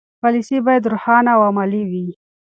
پالیسي باید روښانه او عملي وي.